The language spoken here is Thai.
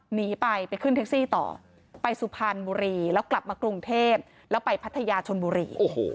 หนีไปไปขึ้นแท็กซี่ต่อไปสุพรรณบุรีแล้วกลับมากรุงเทพแล้วไปพัทยาชนบุรี